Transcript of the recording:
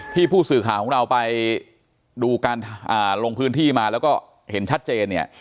ผู้สื่อข่าวของเราไปดูการลงพื้นที่มาแล้วก็เห็นชัดเจนเนี่ย